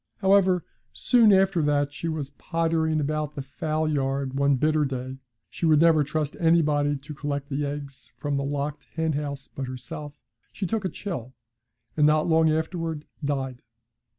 However, soon after that, as she was pottering about the fowl yard one bitter day she would never trust anybody to collect the eggs from the locked henhouse but herself she took a chill, and not long afterwards died.